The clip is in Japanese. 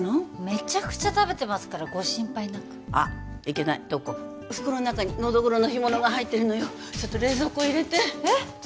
めちゃくちゃ食べてますからご心配なくあっいけない瞳子袋の中にのどぐろの干物が入ってるのよちょっと冷蔵庫入れてえっ？